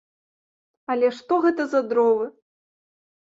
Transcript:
Але што гэта за дровы!